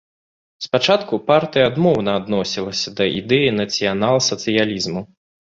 Спачатку партыя адмоўна адносілася да ідэі нацыянал-сацыялізму.